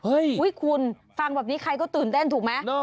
เฮ้ยคุณฟังแบบนี้ใครก็ตื่นเต้นถูกไหม